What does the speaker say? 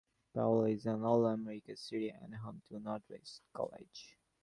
Powell is an All-America City and home to Northwest College.